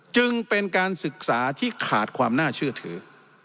จึงเป็นการศึกษาที่ขาดความน่าเชื่อถือ